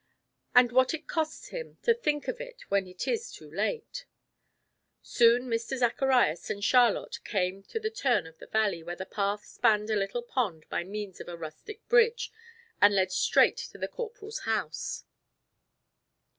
And what it costs him to think of it when it is too late. Soon Mr. Zacharias and Charlotte came to the turn of the valley where the path spanned a little pond by means of a rustic bridge, and led straight to the corporal's house.